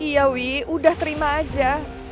iya wi udah terima aja